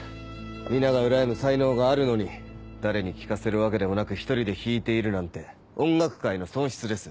皆がうらやむ才能があるのに誰に聴かせるわけでもなく一人で弾いているなんて音楽界の損失です。